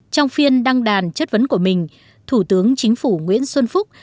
trong phiên đăng đàn chất vấn của mình thủ tướng chính phủ nguyễn xuân phúc